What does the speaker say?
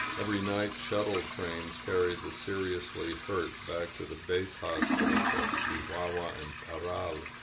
Every night shuttle trains car ried the seriously hurt back to the base hospitals at Chihuahua and Parral.